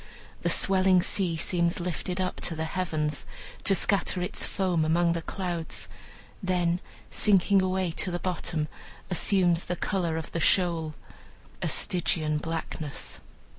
The swelling sea seems lifted up to the heavens, to scatter its foam among the clouds; then sinking away to the bottom assumes the color of the shoal a Stygian blackness.